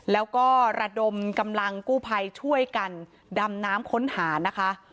แล้วก็ระดมกำลังกู้ภัยช่วยกันดำน้ำค้นหานะคะ